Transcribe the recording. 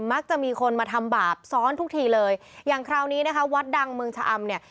มักจะมีคนมาทำบาปซ้อนทุกทีเลยอย่างคราวนี้นะคะวัดดังเมืองชะอำเนี่ย